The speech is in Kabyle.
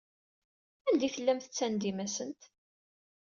Anda ay tellam tettandim-asent?